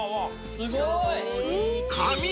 すごい！